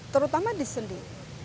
terutama di sendi